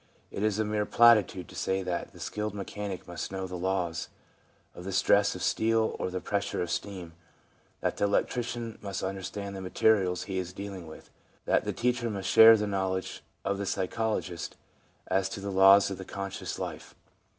It is a mere platitude to say that the skilled mechanic must know the laws of the stress of steel or the pressure of steam, that the electrician must understand the materials he is dealing with, that the teacher must share the know ledge of the psychologist as to the laws of the conscious life.